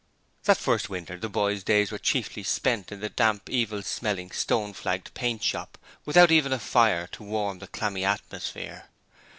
That first winter the boy's days were chiefly spent in the damp, evil smelling, stone flagged paint shop, without even a fire to warm the clammy atmosphere.